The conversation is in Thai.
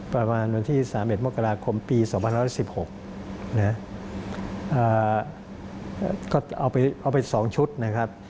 ประมาณวันที่๓๑มกราคมปี๒๑๑๖ก็เอาไป๒ชุดนะครับ